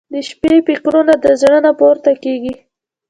• د شپې فکرونه د زړه نه پورته کېږي.